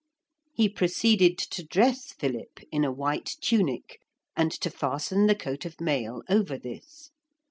He proceeded to dress Philip in a white tunic and to fasten the coat of mail over this.